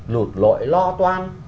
lụt lội lo toan